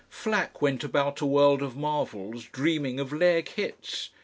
Flack went about a world of marvels dreaming of leg hits.